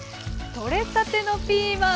取れたてのピーマン。